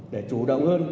để chủ động hơn